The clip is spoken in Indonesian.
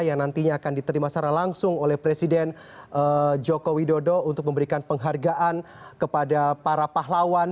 yang nantinya akan diterima secara langsung oleh presiden joko widodo untuk memberikan penghargaan kepada para pahlawan